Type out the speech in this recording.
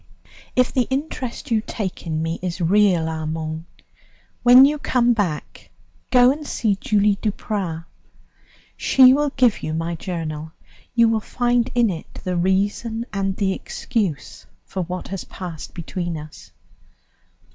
If the interest you take in me is real, Armand, when you come back go and see Julie Duprat. She will give you my journal. You will find in it the reason and the excuse for what has passed between us.